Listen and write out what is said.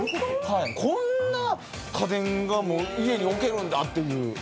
こんな家電がもう家に置けるんだっていう。